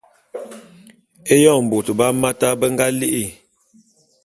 Eyon bôt bé Hamata be nga li'i.